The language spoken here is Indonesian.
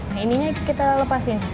nah ininya kita lepasin